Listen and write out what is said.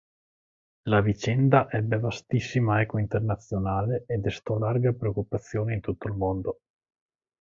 La vicenda ebbe vastissima eco internazionale e destò larga preoccupazione in tutto il mondo.